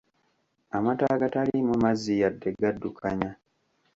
Amata agataliimu mazzi yadde gaddukanya.